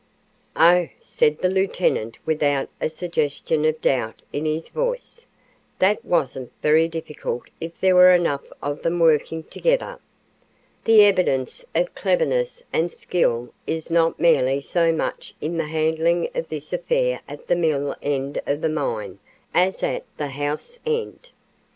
"Oh," said the lieutenant without a suggestion of doubt in his voice; "that wasn't very difficult if there were enough of them working together. The evidence of cleverness and skill is not nearly so much in the handling of this affair at the mill end of the mine as at the house end.